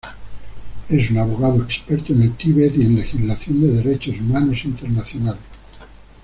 Es un abogado experto en el Tíbet y en legislación de derechos humanos internacionales.